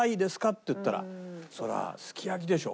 っていったらそれはすき焼きでしょ。